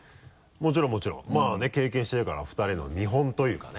もちろんもちろんまぁね経験してるから２人の見本というかね。